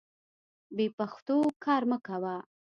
بې پښتو کار مه کوه.